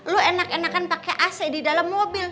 lu enak enakan pakai ac di dalam mobil